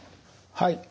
はい。